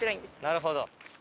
なるほど。